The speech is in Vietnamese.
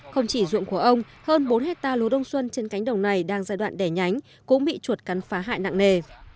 không chỉ dụng của ông hơn bốn hectare lúa đông xuân trên cánh đồng này đang giai đoạn đẻ nhánh cũng bị chuột cắn phá hại nặng nề